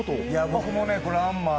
僕も「アンマー」